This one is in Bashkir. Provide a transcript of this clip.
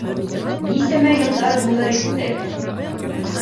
Нисәмә йылдар ғүмер иттек.